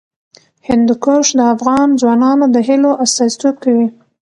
هندوکش د افغان ځوانانو د هیلو استازیتوب کوي.